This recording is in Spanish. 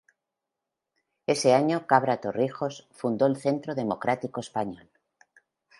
Ese año Cabra Torrijos fundó el Centro Democrático Español.